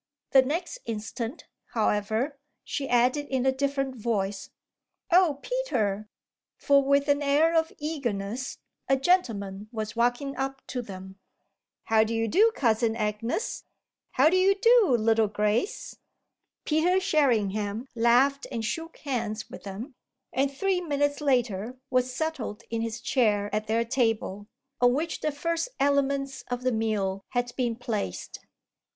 The next instant, however, she added in a different voice, "Oh Peter!" for, with an air of eagerness, a gentleman was walking up to them. "How d'ye do, Cousin Agnes? How d'ye do, little Grace?" Peter Sherringham laughed and shook hands with them, and three minutes later was settled in his chair at their table, on which the first elements of the meal had been placed.